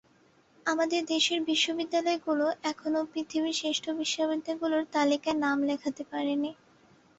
আমাদের দেশের বিশ্ববিদ্যালয়গুলো এখনো পৃথিবীর শ্রেষ্ঠ বিশ্ববিদ্যালয়গুলোর তালিকায় নাম লেখাতে পারেনি।